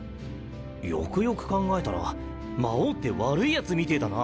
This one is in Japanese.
よくよく考えたら「魔王」って悪いヤツみてぇだな。